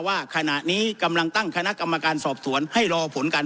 ว่าขณะนี้กำลังตั้งคณะกรรมการสอบสวนให้รอผลการ